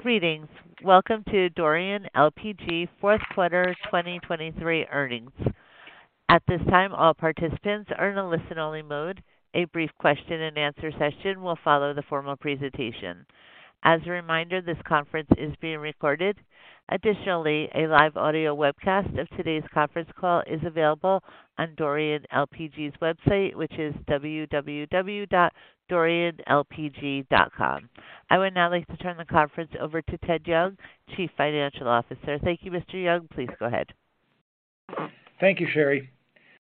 Greetings. Welcome to Dorian LPG Fourth Quarter 2023 Earnings. At this time, all participants are in a listen-only mode. A brief question-and-answer session will follow the formal presentation. As a reminder, this conference is being recorded. Additionally, a live audio webcast of today's conference call is available on Dorian LPG's website, which is www.dorianlpg.com. I would now like to turn the conference over to Theodore Young, Chief Financial Officer. Thank you, Mr. Young. Please go ahead. Thank you, Sherry.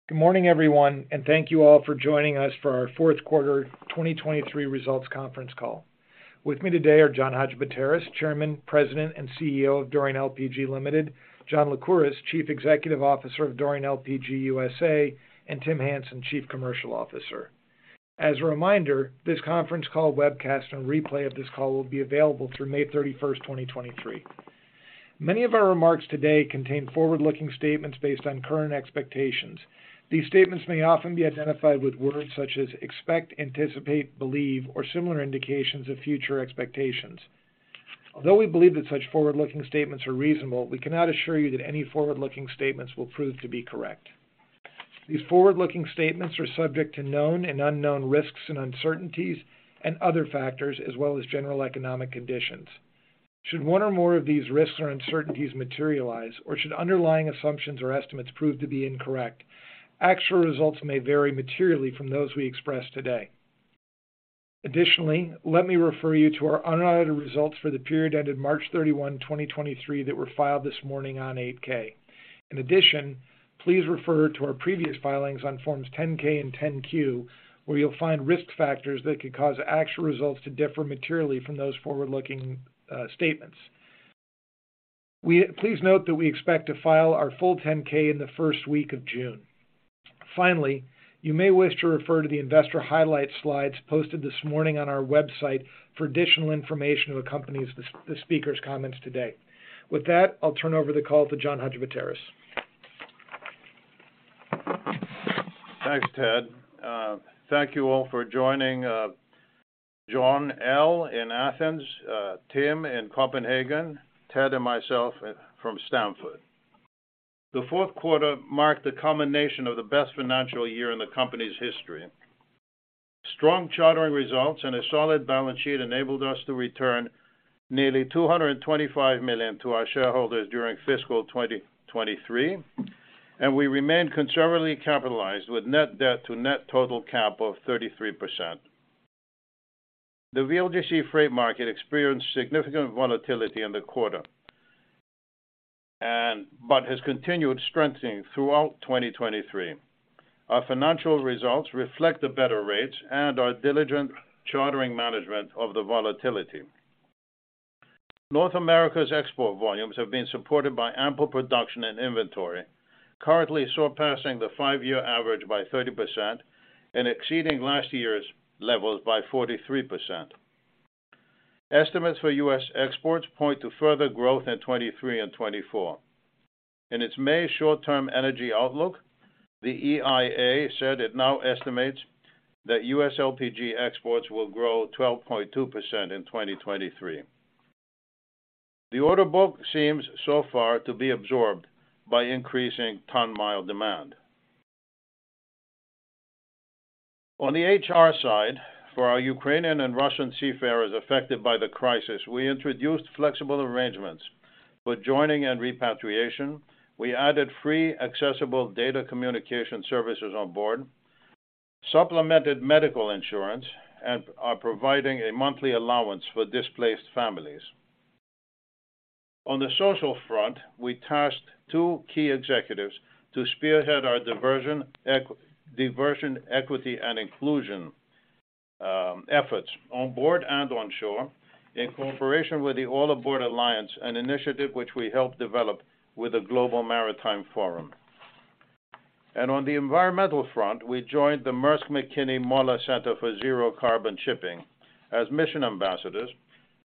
Good morning, everyone, and thank you all for joining us for our fourth quarter 2023 results conference call. With me today are John Hadjipateras, Chairman, President, and CEO, Dorian LPG Ltd., John Lycouris, Chief Executive Officer of Dorian LPG (USA) LLC, and Tim Hansen, Chief Commercial Officer. As a reminder, this conference call webcast and replay of this call will be available through May 31st, 2023. Many of our remarks today contain forward-looking statements based on current expectations. These statements may often be identified with words such as expect, anticipate, believe, or similar indications of future expectations. Although we believe that such forward-looking statements are reasonable, we cannot assure you that any forward-looking statements will prove to be correct. These forward-looking statements are subject to known and unknown risks and uncertainties and other factors as well as general economic conditions. Should one or more of these risks or uncertainties materialize, or should underlying assumptions or estimates prove to be incorrect, actual results may vary materially from those we express today. Additionally, let me refer you to our unaudited results for the period ended March 31, 2023 that were filed this morning on 8-K. In addition, please refer to our previous filings on forms 10-K and 10-Q, where you'll find risk factors that could cause actual results to differ materially from those forward-looking statements. Please note that we expect to file our full 10-K in the first week of June. Finally, you may wish to refer to the investor highlight slides posted this morning on our website for additional information that accompanies the speaker's comments today. With that, I'll turn over the call to John Hadjipateras. Thanks, Ted. Thank you all for joining, John L. in Athens, Tim in Copenhagen, Ted and myself from Stamford. The fourth quarter marked the culmination of the best financial year in the company's history. Strong chartering results and a solid balance sheet enabled us to return nearly $225 million to our shareholders during fiscal 2023, and we remain conservatively capitalized with net debt to net total cap of 33%. The VLGC freight market experienced significant volatility in the quarter but has continued strengthening throughout 2023. Our financial results reflect the better rates and our diligent chartering management of the volatility. North America's export volumes have been supported by ample production and inventory, currently surpassing the 5-year average by 30% and exceeding last year's levels by 43%. Estimates for U.S. exports point to further growth in 2023 and 2024. In its May short-term energy outlook, the EIA said it now estimates that U.S. LPG exports will grow 12.2% in 2023. The order book seems so far to be absorbed by increasing ton-mile demand. On the HR side, for our Ukrainian and Russian seafarers affected by the crisis, we introduced flexible arrangements for joining and repatriation. We added free accessible data communication services on board, supplemented medical insurance, and are providing a monthly allowance for displaced families. On the social front, we tasked two key executives to spearhead our diversion, equity, and inclusion efforts on board and on shore in cooperation with the All Aboard Alliance, an initiative which we helped develop with the Global Maritime Forum. On the environmental front, we joined the Mærsk Mc-Kinney Møller Center for Zero Carbon Shipping as mission ambassadors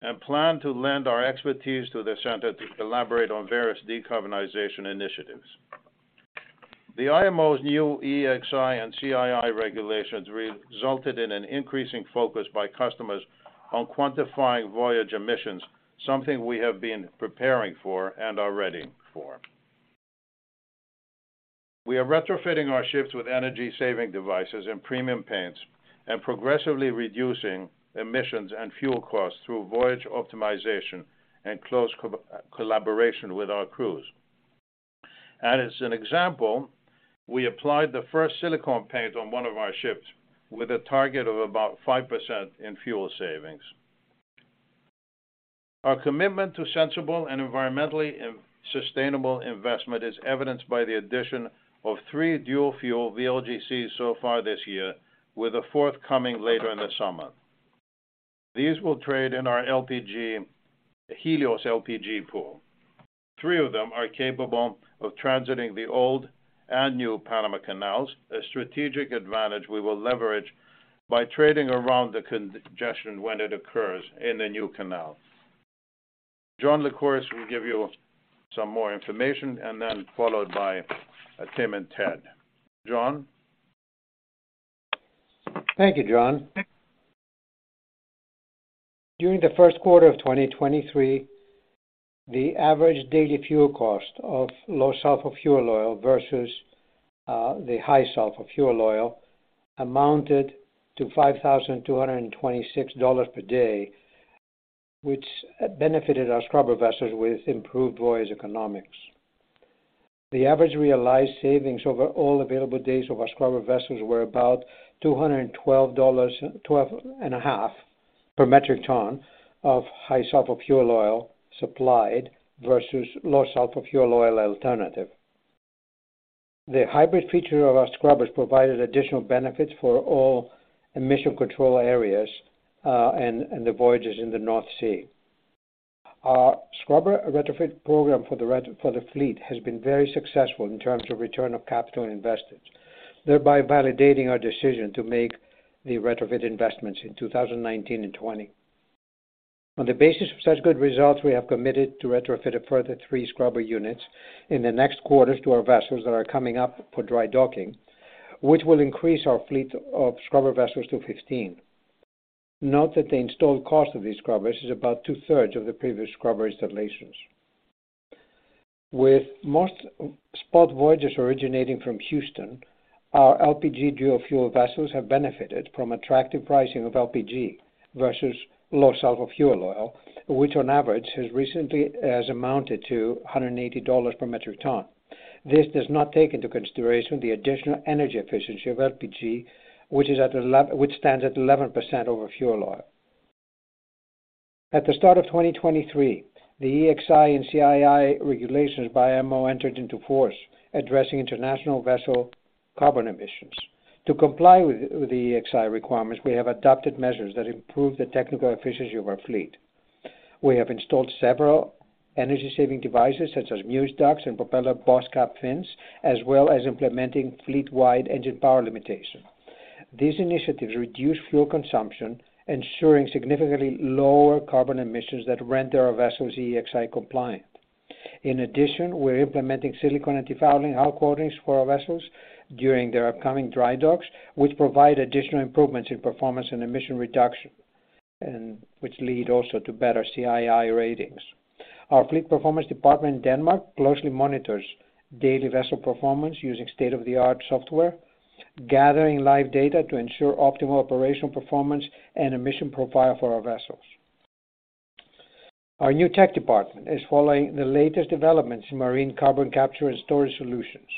and plan to lend our expertise to the center to collaborate on various decarbonization initiatives. The IMO's new EEXI and CII regulations resulted in an increasing focus by customers on quantifying voyage emissions, something we have been preparing for and are ready for. We are retrofitting our ships with energy-saving devices and premium paints and progressively reducing emissions and fuel costs through voyage optimization and close collaboration with our crews. As an example, we applied the first silicone paint on one of our ships with a target of about 5% in fuel savings. Our commitment to sensible and environmentally sustainable investment is evidenced by the addition of three dual-fuel VLGCs so far this year, with a fourth coming later in the summer. These will trade in our Helios LPG pool. Three of them are capable of transiting the old and new Panama Canals, a strategic advantage we will leverage by trading around the congestion when it occurs in the new canal. John Lycouris will give you some more information and then followed by Tim and Ted. John? Thank you, John. During the first quarter of 2023, the average daily fuel cost of low-sulfur fuel oil versus the high-sulfur fuel oil amounted to $5,226 per day, which benefited our scrubber vessels with improved voyage economics. The average realized savings over all available days of our scrubber vessels were about $212.5 per metric ton of high-sulfur fuel oil supplied versus low-sulfur fuel oil alternative. The hybrid feature of our scrubbers provided additional benefits for all emission control areas and the voyages in the North Sea. Our scrubber retrofit program for the fleet has been very successful in terms of return of capital invested, thereby validating our decision to make the retrofit investments in 2019 and 2020. On the basis of such good results, we have committed to retrofit a further 3 scrubber units in the next quarters to our vessels that are coming up for dry docking, which will increase our fleet of scrubber vessels to 15. Note that the installed cost of these scrubbers is about two-thirds of the previous scrubber installations. With most spot voyages originating from Houston, our LPG dual-fuel vessels have benefited from attractive pricing of LPG versus low-sulfur fuel oil, which on average has recently amounted to $180 per metric ton. This does not take into consideration the additional energy efficiency of LPG, which stands at 11% over fuel oil. At the start of 2023, the EEXI and CII regulations by IMO entered into force, addressing international vessel carbon emissions. To comply with the EEXI requirements, we have adopted measures that improve the technical efficiency of our fleet. We have installed several energy-saving devices, such as Mewis Duct and Propeller Boss Cap Fins, as well as implementing fleet-wide engine power limitation. These initiatives reduce fuel consumption, ensuring significantly lower carbon emissions that render our vessels EEXI compliant. In addition, we're implementing silicon antifouling hull coatings for our vessels during their upcoming dry docks, which provide additional improvements in performance and emission reduction, and which lead also to better CII ratings. Our fleet performance department in Denmark closely monitors daily vessel performance using state-of-the-art software, gathering live data to ensure optimal operational performance and emission profile for our vessels. Our new tech department is following the latest developments in marine carbon capture and storage solutions,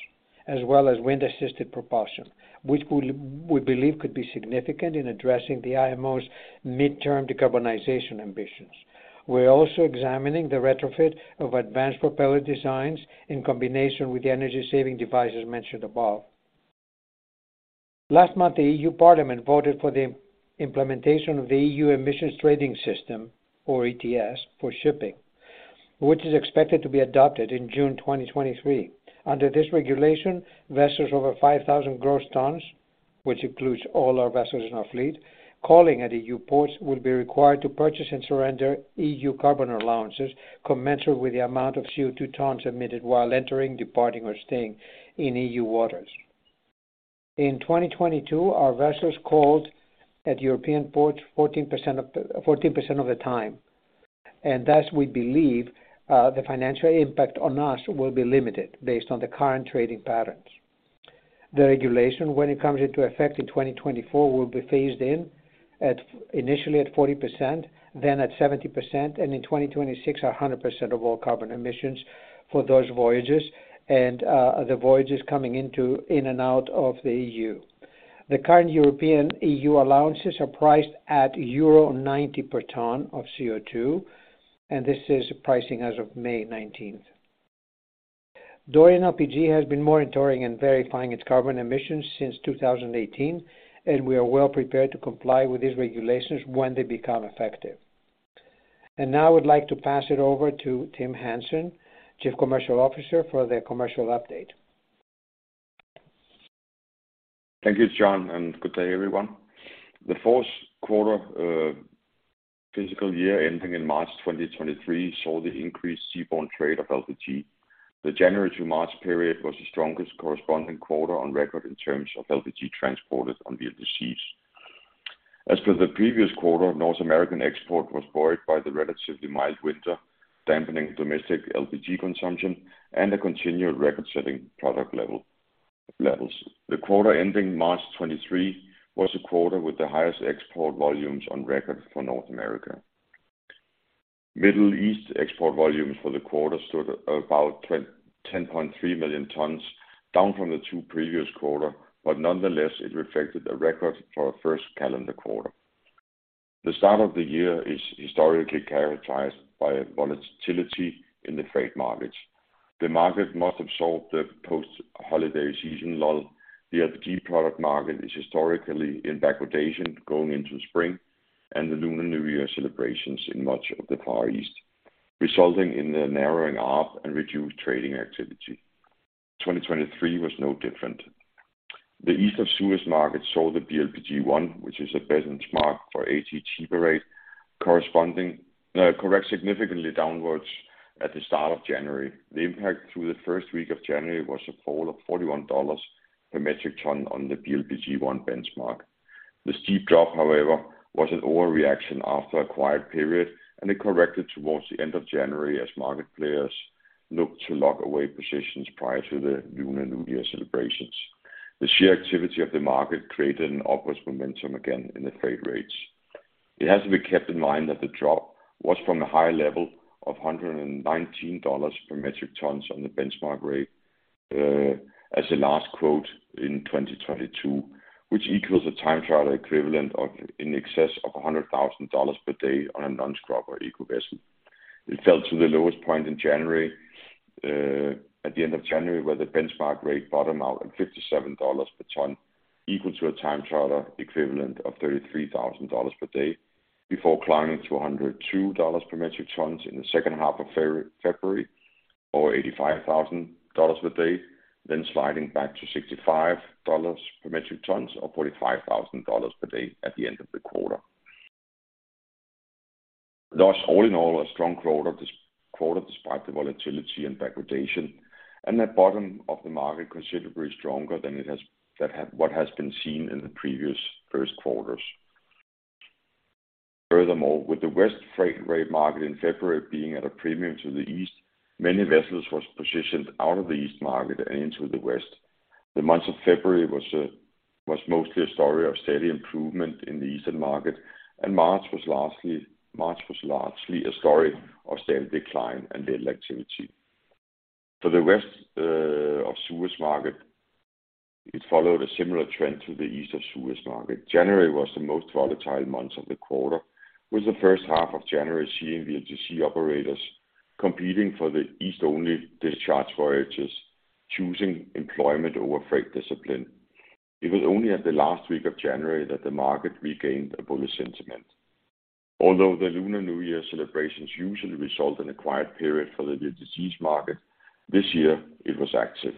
as well as wind-assisted propulsion, which will, we believe could be significant in addressing the IMO's midterm decarbonization ambitions. We're also examining the retrofit of advanced propeller designs in combination with the energy-saving devices mentioned above. Last month, the EU Parliament voted for the implementation of the EU Emissions Trading System, or ETS, for shipping, which is expected to be adopted in June 2023. Under this regulation, vessels over 5,000 gross tons, which includes all our vessels in our fleet, calling at EU ports, will be required to purchase and surrender EU carbon allowances commensurate with the amount of CO₂ tons emitted while entering, departing, or staying in EU waters. In 2022, our vessels called at European ports 14% of the time, and thus we believe the financial impact on us will be limited based on the current trading patterns. The regulation, when it comes into effect in 2024, will be phased in at initially at 40%, then at 70%, and in 2026, 100% of all carbon emissions for those voyages and the voyages in and out of the EU. The current European EU allowances are priced at euro 90 per ton of CO₂, and this is pricing as of May 19th. Dorian LPG has been monitoring and verifying its carbon emissions since 2018, and we are well prepared to comply with these regulations when they become effective. Now I would like to pass it over to Tim Hansen, Chief Commercial Officer, for the commercial update. Thank you, John. Good day, everyone. The fourth quarter, fiscal year ending in March 2023 saw the increased seaborne trade of LPG. The January to March period was the strongest corresponding quarter on record in terms of LPG transported on the seas. As per the previous quarter, North American export was buoyed by the relatively mild winter, dampening domestic LPG consumption and a continued record-setting product levels. The quarter ending March 2023 was the quarter with the highest export volumes on record for North America. Middle East export volumes for the quarter stood about 10.3 million tons, down from the two previous quarter, but nonetheless, it reflected a record for a first calendar quarter. The start of the year is historically characterized by volatility in the freight markets. The market must absorb the post-holiday season lull. The LPG product market is historically in backwardation going into spring and the Lunar New Year celebrations in much of the Far East, resulting in the narrowing half and reduced trading activity. 2023 was no different. The East of Suez market saw the BLPG1, which is a benchmark for AG-Chiba rates, correct significantly downwards at the start of January. The impact through the first week of January was a fall of $41 per metric ton on the BLPG1 benchmark. The steep drop, however, was an overreaction after a quiet period, and it corrected towards the end of January as market players looked to lock away positions prior to the Lunar New Year celebrations. The sheer activity of the market created an upwards momentum again in the freight rates. It has to be kept in mind that the drop was from a high level of $119 per metric tons on the benchmark rate, as a last quote in 2022, which equals a time charter equivalent of in excess of $100,000 per day on a non-scrubber ECO vessel. It fell to the lowest point in January, at the end of January, where the benchmark rate bottomed out at $57 per ton, equal to a time charter equivalent of $33,000 per day, before climbing to $102 per metric tons in the second half of February, or $85,000 per day, then sliding back to $65 per metric tons or $45,000 per day at the end of the quarter. Thus, all in all, a strong quarter despite the volatility and degradation, and that bottom of the market considerably stronger than it has, what has been seen in the previous 1st quarters. Furthermore, with the West freight rate market in February being at a premium to the East, many vessels was positioned out of the East market and into the West. The month of February was mostly a story of steady improvement in the Eastern market, and March was largely a story of steady decline and little activity. For the West of Suez market, it followed a similar trend to the East of Suez market. January was the most volatile month of the quarter, with the 1st half of January seeing VLGC operators competing for the East-only discharge voyages, choosing employment over freight discipline. It was only at the last week of January that the market regained a bullish sentiment. The Lunar New Year celebrations usually result in a quiet period for the VLGCs market, this year it was active.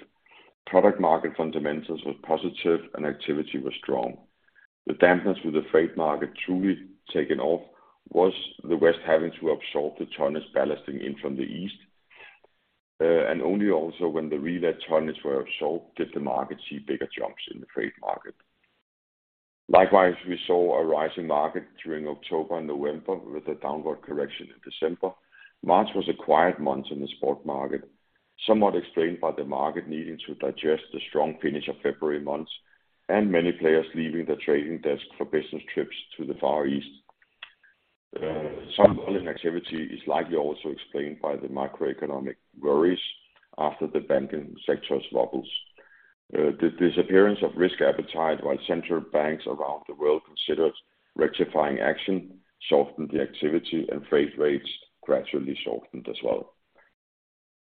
Product market fundamentals was positive and activity was strong. The dampness with the freight market truly taken off was the West having to absorb the tonnages ballasting in from the East. Only also when the relay tonnages were absorbed did the market see bigger jumps in the freight market. We saw a rising market during October and November with a downward correction in December. March was a quiet month in the spot market, somewhat explained by the market needing to digest the strong finish of February months and many players leaving the trading desk for business trips to the Far East. Some volume activity is likely also explained by the macroeconomic worries after the banking sector's wobbles. The disappearance of risk appetite while central banks around the world considered rectifying action softened the activity and freight rates gradually softened as well.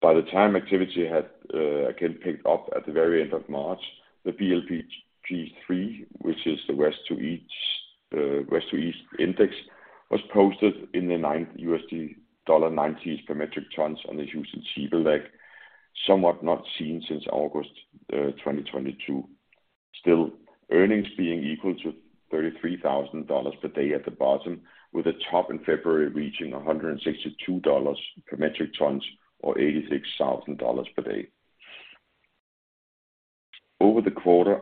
By the time activity had again picked up at the very end of March, the BLPG3, which is the West to East, West to East Index, was posted in the $90s per metric ton on the Houston-Chiba leg, somewhat not seen since August 2022. Still, earnings being equal to $33,000 per day at the bottom, with a top in February reaching $162 per metric ton or $86,000 per day. Over the quarter,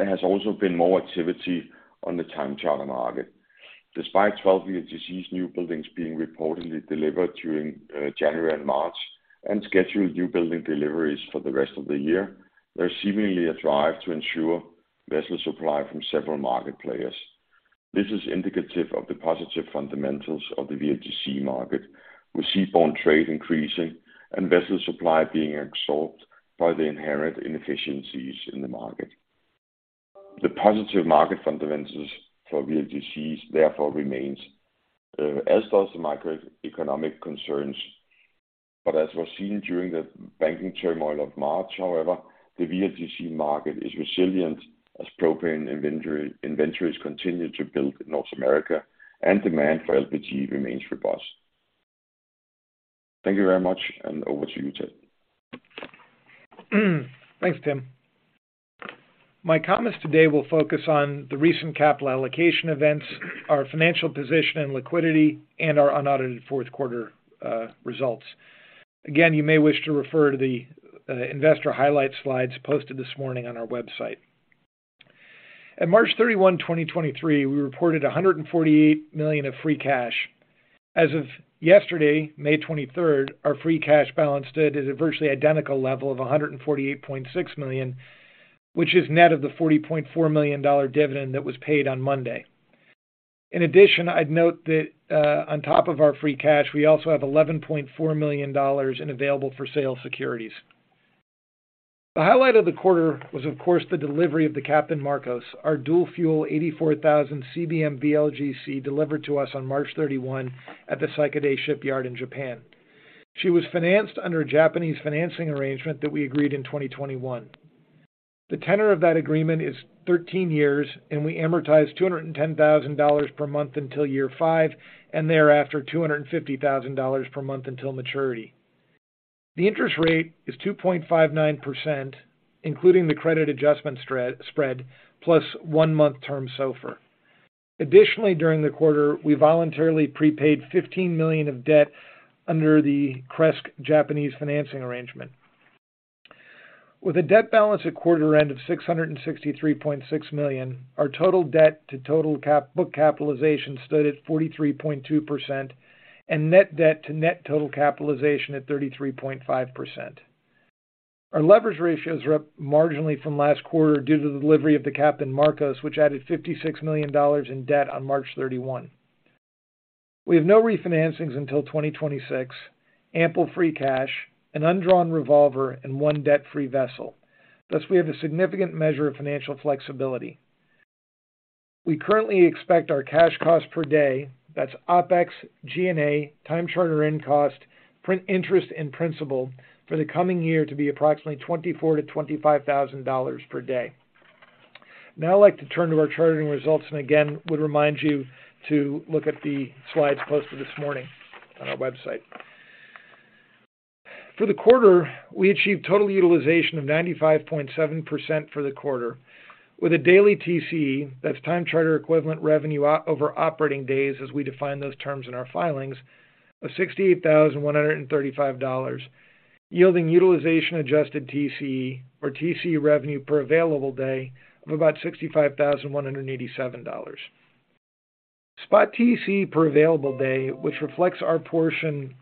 there has also been more activity on the time charter market. Despite 12 VLGCs new buildings being reportedly delivered during January and March and scheduled new building deliveries for the rest of the year, there's seemingly a drive to ensure vessel supply from several market players. This is indicative of the positive fundamentals of the VLGC market, with seaborne trade increasing and vessel supply being absorbed by the inherent inefficiencies in the market. The positive market fundamentals for VLGCs therefore remains as does the macroeconomic concerns. As was seen during the banking turmoil of March, however, the VLGC market is resilient as propane inventories continue to build in North America and demand for LPG remains robust. Thank you very much, and over to you, Ted. Thanks, Tim. My comments today will focus on the recent capital allocation events, our financial position and liquidity, and our unaudited fourth quarter results. You may wish to refer to the investor highlight slides posted this morning on our website. On March 31, 2023, we reported $148 million of free cash. As of yesterday, May 23rd, our free cash balance stood at a virtually identical level of $148.6 million, which is net of the $40.4 million dividend that was paid on Monday. I'd note that on top of our free cash, we also have $11.4 million in available-for-sale securities. The highlight of the quarter was, of course, the delivery of the Captain Markos, our dual-fuel 84,000 CBM VLGC delivered to us on March 31 at the Kawasaki Sakaide Shipyard in Japan. She was financed under a Japanese financing arrangement that we agreed in 2021. The tenor of that agreement is 13 years, and we amortize $210,000 per month until year 5, and thereafter, $250,000 per month until maturity. The interest rate is 2.59%, including the credit adjustment spread, plus 1-month term SOFR. Additionally, during the quarter, we voluntarily prepaid $15 million of debt under the Cresques Japanese financing arrangement. With a debt balance at quarter end of $663.6 million, our total debt to total book capitalization stood at 43.2% and net debt to net total capitalization at 33.5%. Our leverage ratios are up marginally from last quarter due to the delivery of the Captain Markos, which added $56 million in debt on March 31. We have no refinancings until 2026, ample free cash, an undrawn revolver and one debt-free vessel. Thus, we have a significant measure of financial flexibility. We currently expect our cash cost per day, that's OpEx, G&A, time charter in cost, print interest and principal, for the coming year to be approximately $24,000-$25,000 per day. Now I'd like to turn to our chartering results and again would remind you to look at the slides posted this morning on our website. For the quarter, we achieved total utilization of 95.7% for the quarter with a daily TCE, that's Time Charter Equivalent revenue over operating days as we define those terms in our filings, of $68,135, yielding utilization -djusted TCE or TCE revenue per available day of about $65,187. Spot TCE per available day, which reflects our portion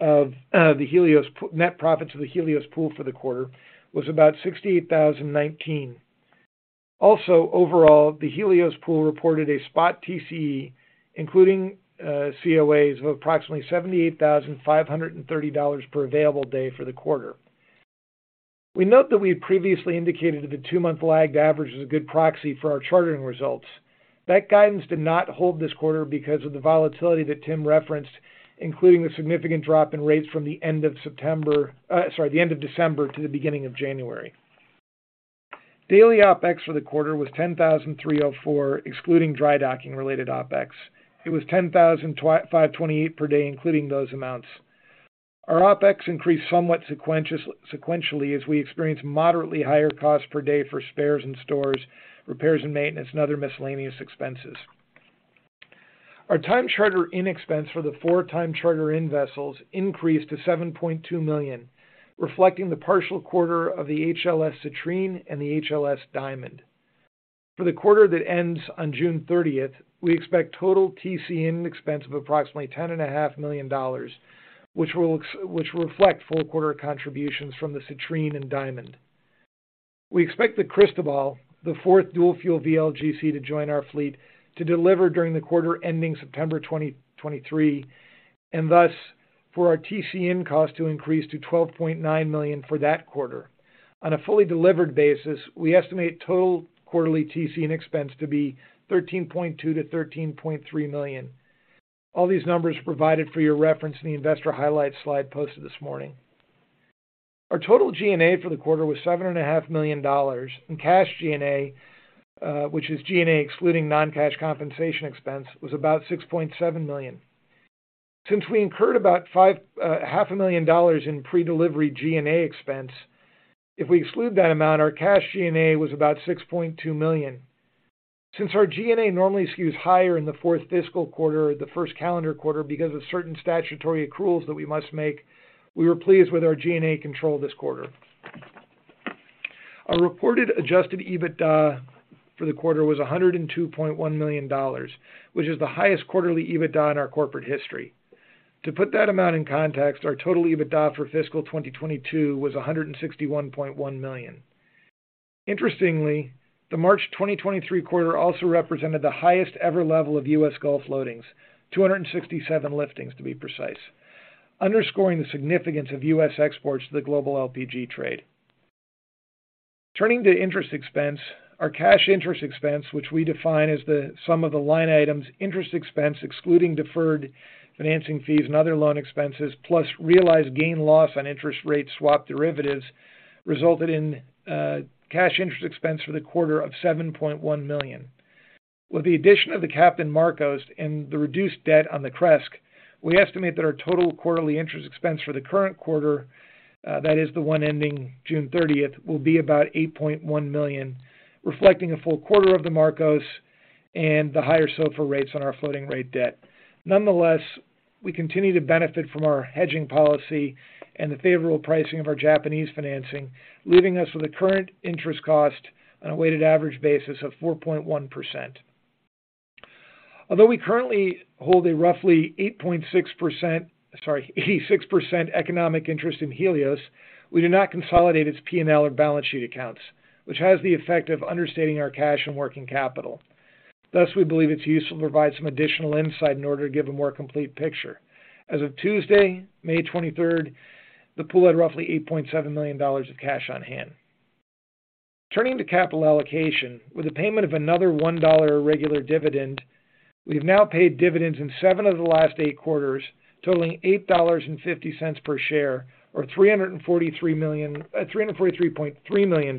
of the net profits of the Helios LPG for the quarter, was about $68,019. Also, overall, the Helios LPG reported a spot TCE, including COAs of approximately $78,530 per available day for the quarter. We note that we had previously indicated that the two-month lagged average was a good proxy for our chartering results. That guidance did not hold this quarter because of the volatility that Tim referenced, including the significant drop in rates from the end of September, sorry, the end of December to the beginning of January. Daily OpEx for the quarter was $10,304, excluding dry docking-related OpEx. It was $10,528 per day, including those amounts. Our OpEx increased somewhat sequentially as we experienced moderately higher costs per day for spares and stores, repairs and maintenance, and other miscellaneous expenses. Our time charter in expense for the 4 time charter in vessels increased to $7.2 million, reflecting the partial quarter of the HLS Citrine and the HLS Diamond. For the quarter that ends on June 30th, we expect total TCE in expense of approximately $10.5 million, which will reflect full quarter contributions from the Citrine and Diamond. We expect the Cristobal, the fourth dual-fuel VLGC to join our fleet, to deliver during the quarter ending September 2023, and thus, for our TCE in cost to increase to $12.9 million for that quarter. On a fully delivered basis, we estimate total quarterly TCE and expense to be $13.2 million-$13.3 million. All these numbers are provided for your reference in the investor highlights slide posted this morning. Our total G&A for the quarter was $7.5 million, and cash G&A, which is G&A excluding non-cash compensation expense, was about $6.7 million. Since we incurred about half a million dollars in pre-delivery G&A expense, if we exclude that amount, our cash G&A was about $6.2 million. Since our G&A normally skews higher in the fourth fiscal quarter or the first calendar quarter because of certain statutory accruals that we must make, we were pleased with our G&A control this quarter. Our reported adjusted EBITDA for the quarter was $102.1 million, which is the highest quarterly EBITDA in our corporate history. To put that amount in context, our total EBITDA for fiscal 2022 was $161.1 million. Interestingly, the March 2023 quarter also represented the highest ever level of U.S. Gulf loadings, 267 liftings to be precise, underscoring the significance of U.S. exports to the global LPG trade. Turning to interest expense, our cash interest expense, which we define as the sum of the line items, interest expense, excluding deferred financing fees and other loan expenses, plus realized gain loss on interest rate swap derivatives, resulted in cash interest expense for the quarter of $7.1 million. With the addition of the Captain Markos and the reduced debt on the Cresques, we estimate that our total quarterly interest expense for the current quarter, that is the one ending June 30th, will be about $8.1 million, reflecting a full quarter of the Markos and the higher SOFR rates on our floating rate debt. Nonetheless, we continue to benefit from our hedging policy and the favorable pricing of our Japanese financing, leaving us with a current interest cost on a weighted average basis of 4.1%. Although we currently hold a roughly 8.6%, sorry, 86% economic interest in Helios, we do not consolidate its P&L or balance sheet accounts, which has the effect of understating our cash and working capital. Thus, we believe it's useful to provide some additional insight in order to give a more complete picture. As of Tuesday, May 23rd, the pool had roughly $8.7 million of cash on hand. Turning to capital allocation, with a payment of another $1 regular dividend, we've now paid dividends in 7 of the last 8 quarters, totaling $8.50 per share or $343 million, $343.3 million.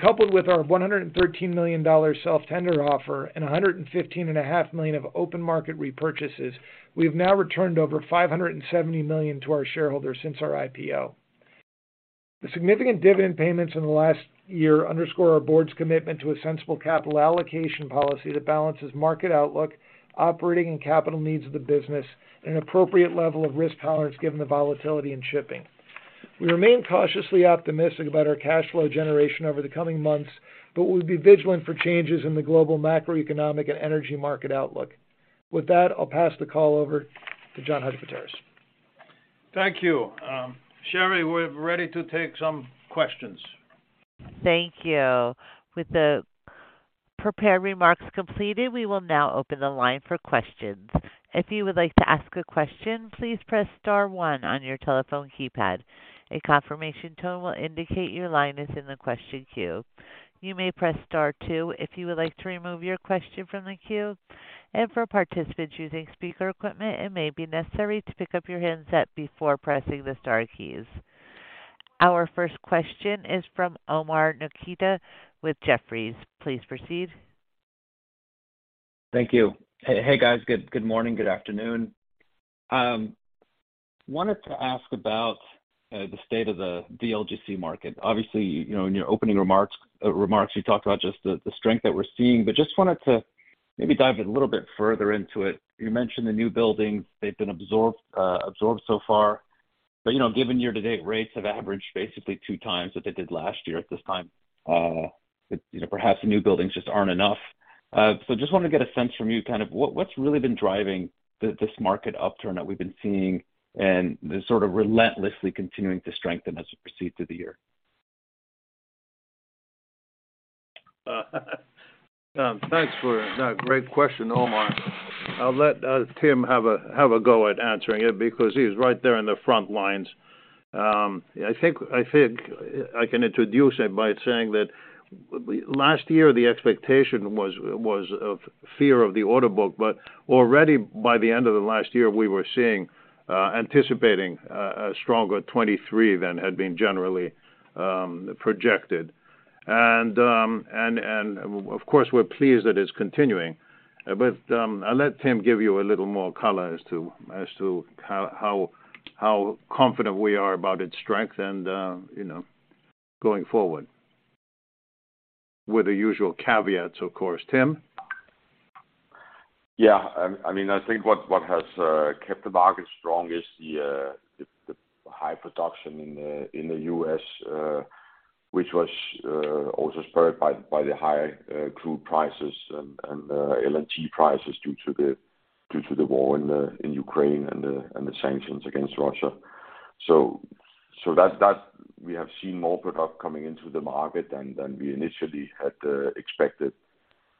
Coupled with our $113 million self-tender offer and $115.5 million of open market repurchases, we have now returned over $570 million to our shareholders since our IPO. The significant dividend payments in the last year underscore our board's commitment to a sensible capital allocation policy that balances market outlook, operating and capital needs of the business, and an appropriate level of risk tolerance given the volatility in shipping. We remain cautiously optimistic about our cash flow generation over the coming months, but we'll be vigilant for changes in the global macroeconomic and energy market outlook. With that, I'll pass the call over to John Hadjipateras. Thank you. Sherry, we're ready to take some questions. Thank you. With the prepared remarks completed, we will now open the line for questions. If you would like to ask a question, please press star one on your telephone keypad. A confirmation tone will indicate your line is in the question queue. You may press star two if you would like to remove your question from the queue. For participants using speaker equipment, it may be necessary to pick up your handset before pressing the star keys. Our first question is from Omar Nokta with Jefferies. Please proceed. Thank you. Hey, guys. Good morning. Good afternoon. wanted to ask about the state of the VLGC market. Obviously, you know, in your opening remarks, you talked about just the strength that we're seeing, but just wanted to maybe dive a little bit further into it. You mentioned the new buildings. They've been absorbed so far. Given year-to-date rates have averaged basically 2 times what they did last year at this time, you know, perhaps the new buildings just aren't enough. Just want to get a sense from you kind of what's really been driving this market upturn that we've been seeing and sort of relentlessly continuing to strengthen as it proceed through the year? Thanks for that. Great question, Omar. I'll let Tim have a go at answering it because he's right there on the front lines. I think I can introduce him by saying that last year the expectation was of fear of the order book. Already by the end of the last year, we were seeing anticipating a stronger 2023 than had been generally projected. Of course, we're pleased that it's continuing. I'll let Tim give you a little more color as to how confident we are about its strength and, you know, going forward with the usual caveats, of course. Tim? Yeah. I mean, I think what has kept the market strong is the high production in the U.S., which was also spurred by the high crude prices and LNG prices due to the war in Ukraine and the sanctions against Russia. That's we have seen more product coming into the market than we initially had expected.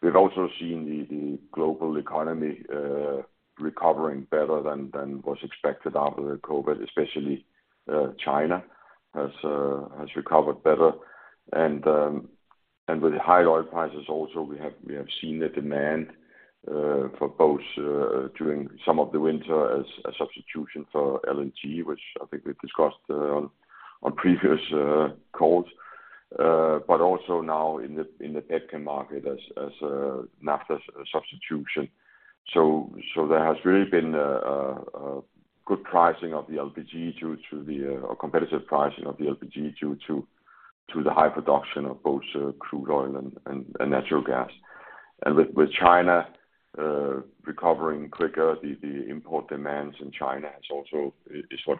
We've also seen the global economy recovering better than was expected after the COVID, especially China has recovered better. With high oil prices also we have seen the demand for both during some of the winter as a substitution for LNG, which I think we discussed on previous calls. Also now in the pet chem market as a Naphtha substitution. There has really been a good pricing of the LPG due to the competitive pricing of the LPG due to the high production of both crude oil and natural gas. With China recovering quicker, the import demands in China has also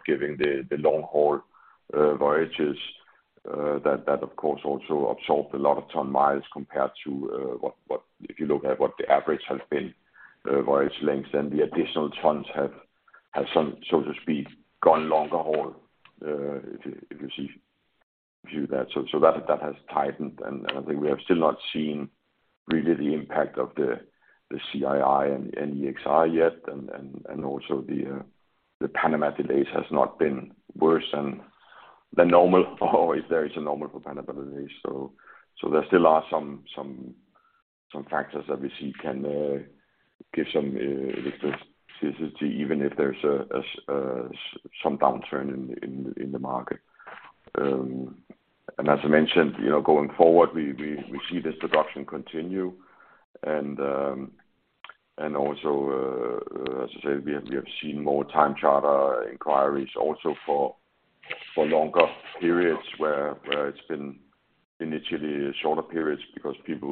given the long haul voyages that of course also absorbed a lot of ton miles compared to what if you look at what the average has been, voyage lengths and the additional tons have some so to speak, gone longer haul, if you see that. That has tightened. I think we have still not seen really the impact of the CII and EEXI yet. Also the Panama delays has not been worse than the normal or if there is a normal for Panama delays. There still are some factors that we see can give some resistance even if there's some downturn in the market. As I mentioned, you know, going forward, we see this reduction continue. Also, as I said, we have seen more time charter inquiries also for longer periods where it's been initially shorter periods because people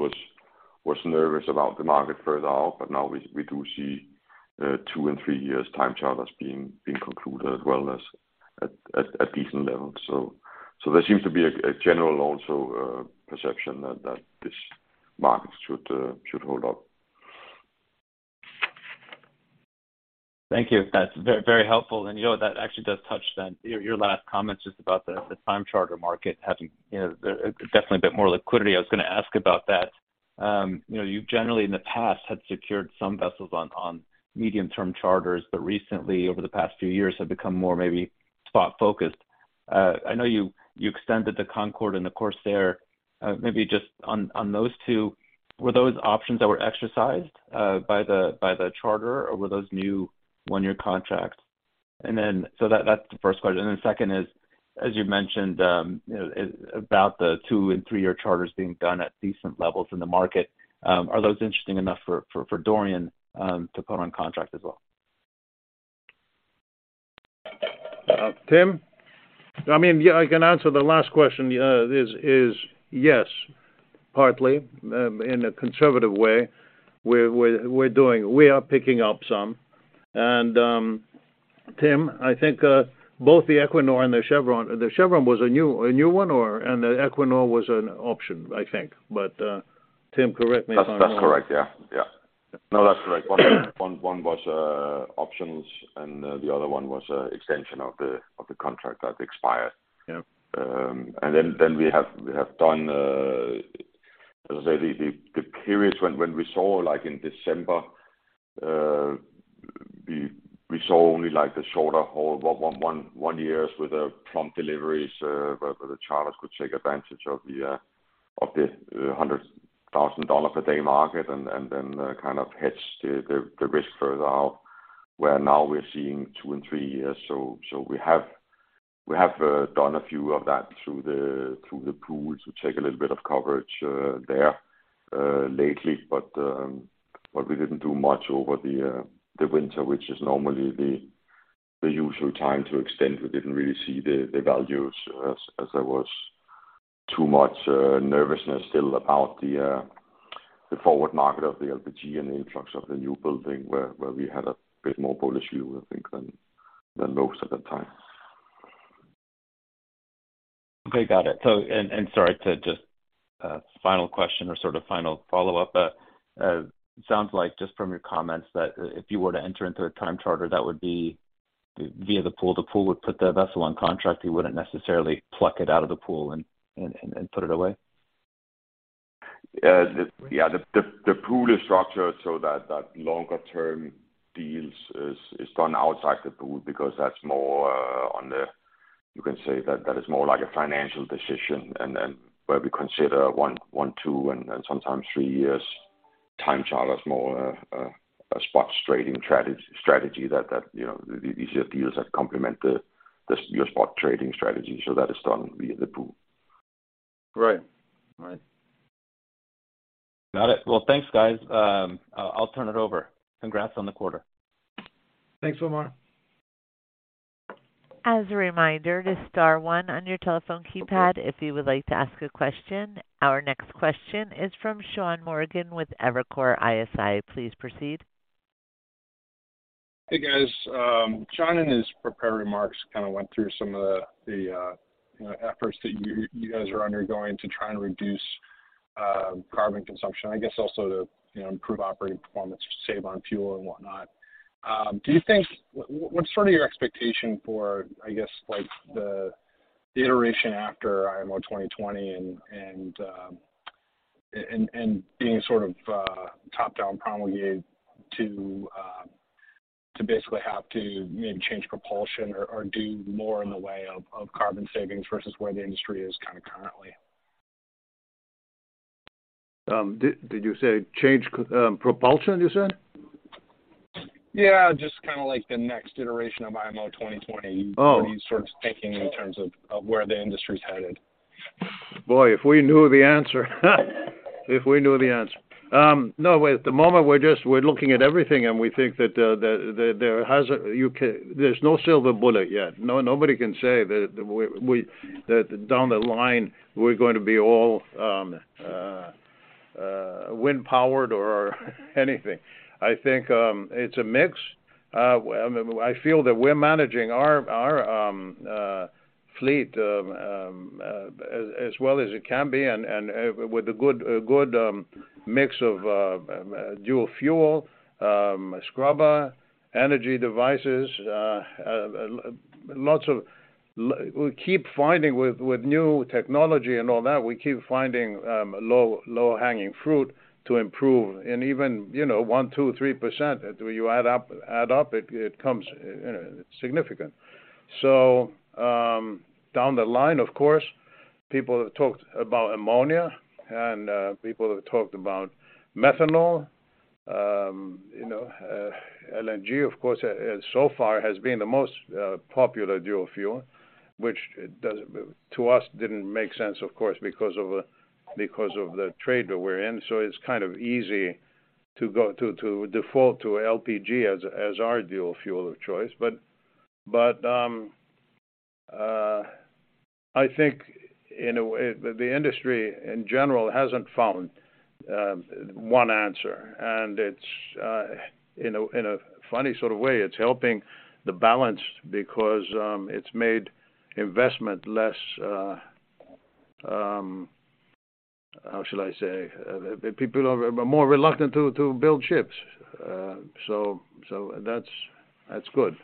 was nervous about the market further out. Now we do see 2 and 3 years time charters being concluded as well as at decent levels. There seems to be a general also, perception that this market should hold up. Thank you. That's very helpful. You know what? That actually does touch then your last comment just about the time charter market having, you know, definitely a bit more liquidity. I was going to ask about that. You know, you generally in the past had secured some vessels on medium-term charters, but recently over the past few years have become more maybe spot-focused. I know you extended the Concorde and the Corsair, maybe just on those two. Were those options that were exercised by the charter or were those new one-year contracts? That's the first question. Second is, as you mentioned, you know, about the two and three-year charters being done at decent levels in the market, are those interesting enough for Dorian to put on contract as well? Tim? I mean, yeah, I can answer the last question. Is yes, partly, in a conservative way, we are picking up some. Tim, I think, both the Equinor and the Chevron. The Chevron was a new one. The Equinor was an option, I think. Tim, correct me if I'm wrong. That's correct. Yeah. No, that's correct. One was options, and the other one was extension of the contract that expired. Yeah. Then we have done, as I say, the periods when we saw, like in December, we saw only like the shorter or one year with the prompt deliveries, where the charters could take advantage of the $100,000 per day market and then kind of hedge the risk further out, where now we're seeing two and three years. We have done a few of that through the pool to take a little bit of coverage there lately. We didn't do much over the winter, which is normally the usual time to extend. We didn't really see the values as there was too much nervousness still about the forward market of the LPG and the influx of the new building where we had a bit more bullish view, I think, than most at the time. Okay, got it. Sorry to just, final question or sort of final follow-up. It sounds like just from your comments that if you were to enter into a time charter, that would be via the pool. The pool would put the vessel on contract. You wouldn't necessarily pluck it out of the pool and put it away. yeah. The pool is structured so that longer-term deals is done outside the pool because that's more. You can say that is more like a financial decision. Then where we consider one, two and sometimes three years time charter is more, a spot trading strategy that, you know, these are deals that complement the spot trading strategy. That is done via the pool. Right. Right. Got it. Well, thanks, guys. I'll turn it over. Congrats on the quarter. Thanks, Omar. As a reminder to star one on your telephone keypad if you would like to ask a question. Our next question is from Sean Morgan with Evercore ISI. Please proceed. Hey, guys. John, in his prepared remarks, kind of went through some of the, you know, efforts that you guys are undergoing to try and reduce carbon consumption, I guess also to, you know, improve operating performance, save on fuel and whatnot. Do you think what's sort of your expectation for, I guess, like the iteration after IMO 2020 and, and being sort of top-down promulgated to basically have to maybe change propulsion or do more in the way of carbon savings versus where the industry is kind of currently? Did you say change, propulsion, you said? Yeah, just kinda like the next iteration of IMO 2020. Are you sort of thinking in terms of where the industry's headed? Boy, if we knew the answer. If we knew the answer. No. At the moment, we're just, we're looking at everything, and we think that there hasn't. There's no silver bullet yet. No, nobody can say that we that down the line, we're going to be all wind-powered or anything. I think it's a mix. I mean, I feel that we're managing our fleet as well as it can be and with a good mix of dual-fuel, scrubber, energy devices, lots of. We keep finding with new technology and all that, we keep finding low-hanging fruit to improve. Even, you know, 1%, 2%, 3%, you add up, it comes, you know, significant. Down the line, of course, people have talked about ammonia and people have talked about methanol. You know, LNG, of course, so far has been the most popular dual-fuel, which to us didn't make sense, of course, because of, because of the trade that we're in. It's kind of easy to default to LPG as our dual-fuel of choice. I think in a way, the industry in general hasn't found one answer. It's in a funny sort of way, it's helping the balance because it's made investment less, how should I say? People are more reluctant to build ships. That's good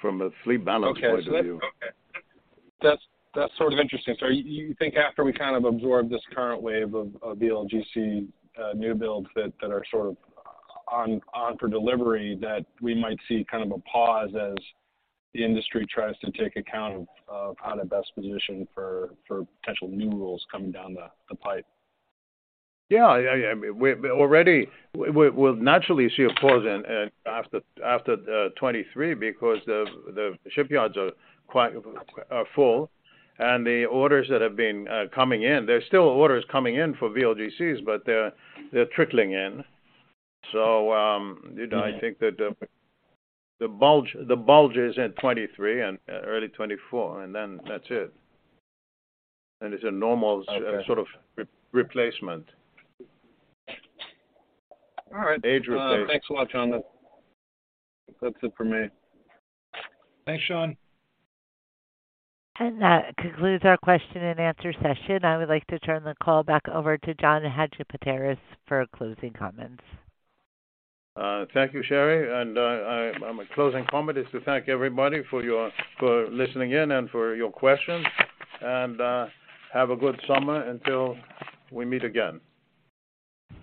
from a fleet balance point of view. Okay. That's sort of interesting. You think after we kind of absorb this current wave of VLGC new builds that are sort of on for delivery, that we might see kind of a pause as the industry tries to take account of how to best position for potential new rules coming down the pipe? Yeah, yeah. We'll naturally see a pause in after 2023 because the shipyards are full and the orders that have been coming in, there's still orders coming in for VLGCs, but they're trickling in. You know, I think that the bulge is in 2023 and early 2024, then that's it. It's a normal- Okay. Sort of re-replacement. All right. Age replacement. Thanks a lot, John. That's it for me. Thanks, Sean. That concludes our question-and-answer session. I would like to turn the call back over to John Hadjipateras for closing comments. Thank you, Sherry. My closing comment is to thank everybody for your, for listening in and for your questions. Have a good summer until we meet again.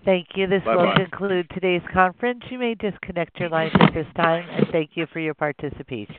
Thank you. Bye-bye. This will conclude today's conference. You may disconnect your lines at this time. Thank you for your participation.